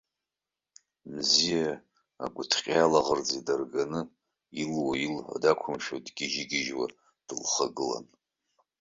Мзиа агәыҭҟьеи алаӷырӡи дырганы, илуа, илҳәо дақәымшәо, дгьежь-гьежьуа дылхагылан.